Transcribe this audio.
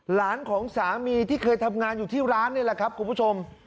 หลานของสามีที่เคยทำงานอยู่ที่ร้านนี่แหละครับคุณผู้ชม